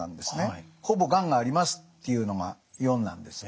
ほぼがんがありますっていうのが４なんです。